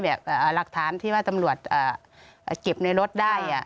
หลักฐานที่ว่าตำรวจเก็บในรถได้